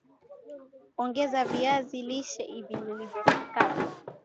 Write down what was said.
Ongeza viazi lishe vilivyokatwa